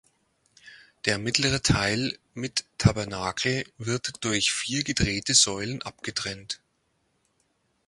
Der mittlere Teil mit Tabernakel wird durch vier gedrehte Säulen abgetrennt.